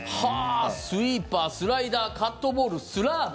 スイーパー、スライダーカットボール、スラーブ。